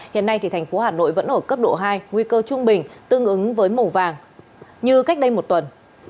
hiện nay thành phố hà nội vẫn ở cấp độ hai nguy cơ trung bình tương ứng với màu vàng như cách đây một tuần